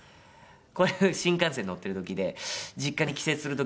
これ新幹線乗ってる時で実家に帰省する時の。